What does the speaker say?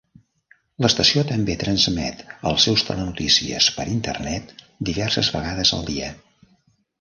L'estació també transmet els seus telenotícies per Internet diverses vegades al dia.